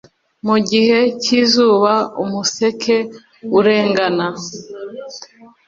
Mu gihe cyizuba Umuseke urengana